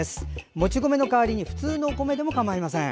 もち米の代わりに普通のお米でもかまいません。